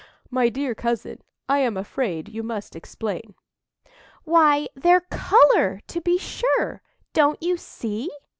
"My dear cousin, I am afraid you must explain." "Why, their colour, to be sure. Don't you see?"